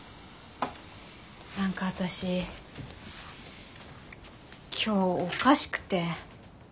何か私今日おかしくて。